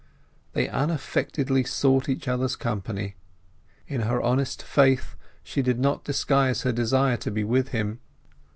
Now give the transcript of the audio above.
They unaffectedly sought each other's company; in her honest faith she did not disguise her desire to be with him.